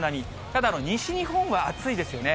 ただ、西日本は暑いですよね。